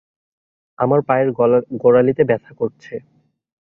আমার পায়ের গোরালিতে ব্যথা করে।